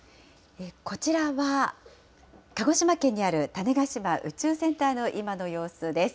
こちらは鹿児島県にある種子島宇宙センターの今の様子です。